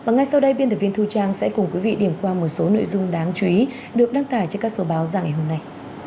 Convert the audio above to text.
và ngay sau đây biên tập viên thu trang sẽ cùng quý vị điểm qua một số nội dung đáng chú ý được đăng tải trên các số báo ra ngày hôm nay